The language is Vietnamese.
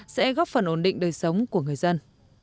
sẽ góp phần ổn định đời sống của người dân